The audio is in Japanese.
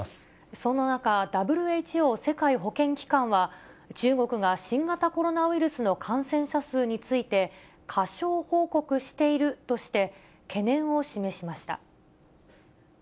そんな中、ＷＨＯ・世界保健機関は、中国が新型コロナウイルスの感染者数について、過少報告しているとして、懸念を示しました。